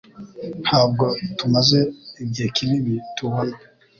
Ntabwo tumaze igihe kinini tubona.